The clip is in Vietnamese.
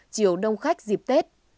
chiều đông khách dịp tết